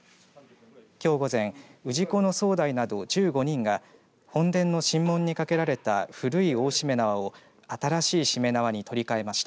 きょう午前氏子の総代など１５人が本殿の神門にかけられた古い大しめ縄を新しいしめ縄に取り替えました。